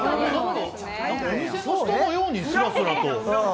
お店の人のようにスラスラと。